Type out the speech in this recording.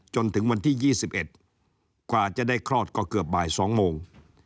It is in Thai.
จนถึงวันที่ยี่สิบเอ็ดกว่าจะได้คลอดก็เกือบบ่ายสองโมง